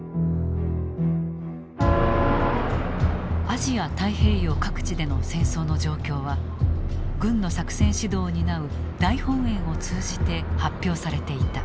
アジア・太平洋各地での戦争の状況は軍の作戦指導を担う大本営を通じて発表されていた。